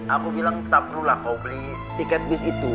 aku bilang tak perlulah kau beli tiket bis itu